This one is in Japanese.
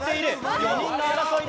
４人の争いだ。